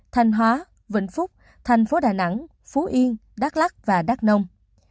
thanh hóa vĩnh phúc thành phố đà nẵng phú yên đắk lắc và đắk nông